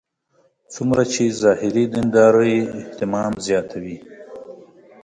څومره چې ظاهري دیندارۍ اهتمام زیاتوي.